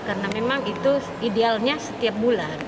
karena memang itu idealnya setiap bulan